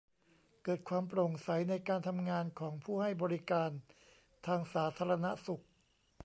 เกิดความโปร่งใสในการทำงานของผู้ให้บริการทางสาธารณสุข